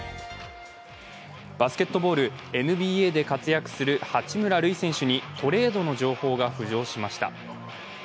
バスケットボールＮＢＡで活躍する八村塁選手にトレードの情報が浮上しました。